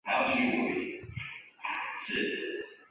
在这之前沙亚南由雪兰莪州发展局管辖。